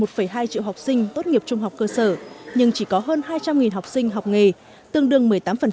một hai triệu học sinh tốt nghiệp trung học cơ sở nhưng chỉ có hơn hai trăm linh học sinh học nghề tương đương một mươi tám